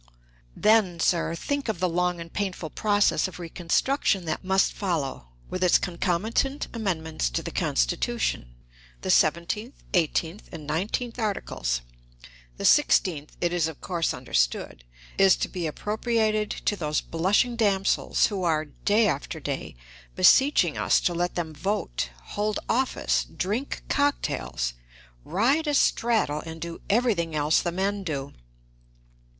Then, sir, think of the long and painful process of reconstruction that must follow, with its concomitant amendments to the Constitution; the seventeenth, eighteenth and nineteenth articles. The sixteenth, it is of course understood, is to be appropriated to those blushing damsels who are, day after day, beseeching us to let them vote, hold office, drink cock tails, ride astraddle, and do everything else the men do.